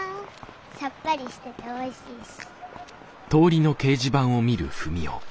さっぱりしてておいしいし。